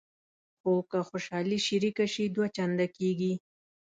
خو که خوشحالي شریکه شي دوه چنده کېږي.